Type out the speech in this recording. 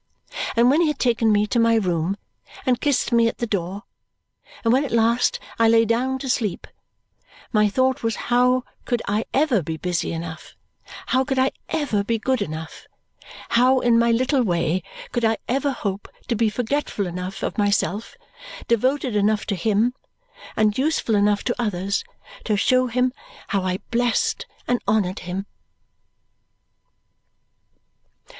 And when he had taken me to my room and kissed me at the door, and when at last I lay down to sleep, my thought was how could I ever be busy enough, how could I ever be good enough, how in my little way could I ever hope to be forgetful enough of myself, devoted enough to him, and useful enough to others, to show him how I blessed and honoured him.